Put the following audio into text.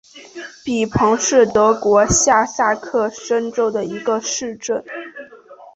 比彭是德国下萨克森州的一个市镇。